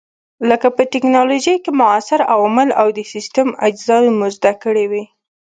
لکه په ټېکنالوجۍ کې موثر عوامل او د سیسټم اجزاوې مو زده کړې وې.